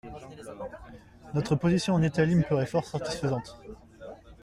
Notre position en Italie me paraît fort satisfaisante.